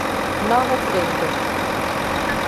Nova Trento